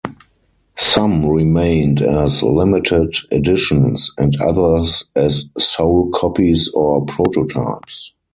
Some remained as limited editions, and others as sole copies or prototypes.